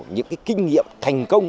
những cái kinh nghiệm thành công